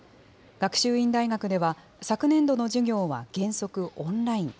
学習院大学では昨年度の授業は原則オンライン。